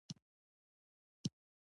مومن خان په وینو کې لژند پروت دی.